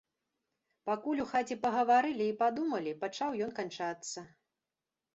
Пакуль у хаце пагаварылі і падумалі, пачаў ён канчацца.